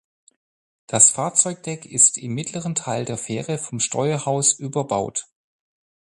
Das Fahrzeugdeck ist im mittleren Teil der Fähre vom Steuerhaus überbaut.